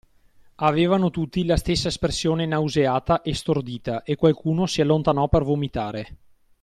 Avevano tutti la stessa espressione nauseata e stordita, e qualcuno si allontanò per vomitare.